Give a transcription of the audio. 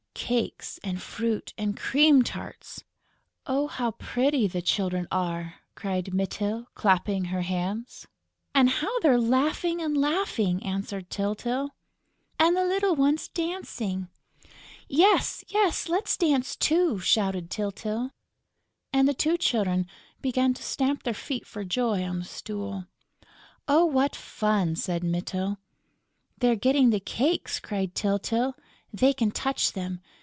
"Cakes and fruit and cream tarts." "Oh, how pretty the children are!" cried Mytyl, clapping her hands. "And how they're laughing and laughing!" answered Tyltyl. "And the little ones dancing!..." "Yes, yes; let's dance too!" shouted Tyltyl. And the two Children began to stamp their feet for joy on the stool: "Oh, what fun!" said Mytyl. "They're getting the cakes!" cried Tyltyl. "They can touch them!...